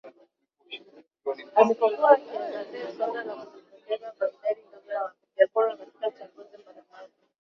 alipokuwa akiangazia suala la kujitokeza kwa idadi ndogo ya wapiga kura katika chaguzi mbalimbali